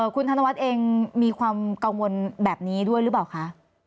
คุณธนวัฒน์เองมีความกังวลแบบนี้ด้วยหรือเปล่าคะ